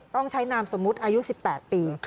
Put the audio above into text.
ต้องใช้นามสมมุติอายุ๑๘ปี